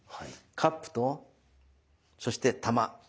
カップとそして玉。